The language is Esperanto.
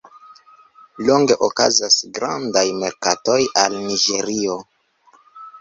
Longe okazas grandaj merkatoj al Niĝerio.